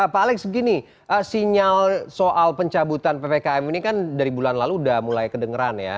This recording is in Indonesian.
pak alex begini sinyal soal pencabutan ppkm ini kan dari bulan lalu udah mulai kedengeran ya